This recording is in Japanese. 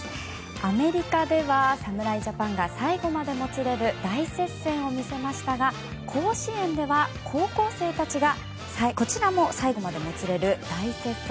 アメリカでは、侍ジャパンが最後までもつれる大接戦を見せましたが甲子園では高校生たちが、こちらも最後までもつれる大接戦。